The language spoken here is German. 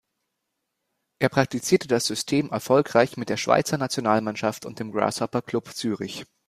Er praktizierte das System erfolgreich mit der Schweizer Nationalmannschaft und dem Grasshopper Club Zürich.